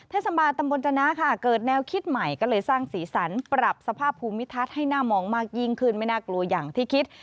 เทศบาลตำบลจนะค่ะเกิดแนวคิดใหม่ก็เลยสร้างสีสันปรับสภาพภูมิทัศน์ให้น่ามองมากยิ่งขึ้นไม่น่ากลัวอย่างที่คิด